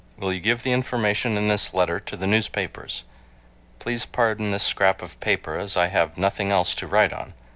Will you give the information in this letter to the newspapers? Please pardon this scrap of paper as I have nothing else to write on.